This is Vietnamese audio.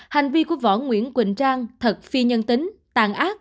hành vi của võ nguyễn quỳnh trang thật phi nhân tính tàn ác